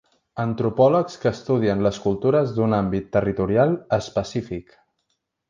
Antropòlegs que estudien les cultures d'un àmbit territorial específic.